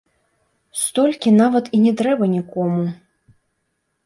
Столькі нават і не трэба нікому!